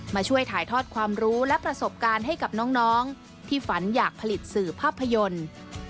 มาช่วยถ่ายทอดความรู้และประสบการณ์ให้กับน้องที่ฝันอยากผลิตสื่อภาพยนตร์